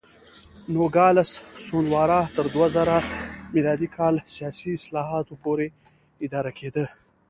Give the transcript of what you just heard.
نوګالس سونورا تر دوه زره م کال سیاسي اصلاحاتو پورې اداره کېده.